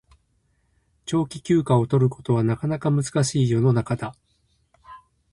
長期休暇を取ることはなかなか難しい世の中だ